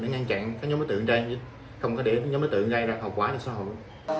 để ngăn chặn các nhóm đối tượng trên không có để nhóm đối tượng gây ra hậu quả cho xã hội